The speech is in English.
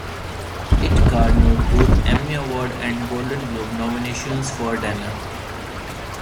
It garnered both Emmy Award and Golden Globe nominations for Danner.